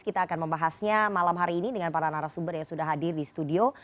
kita akan membahasnya malam hari ini dengan para narasumber yang sudah hadir di studio